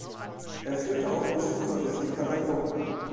Er führte auch Besucher durch die Katakomben.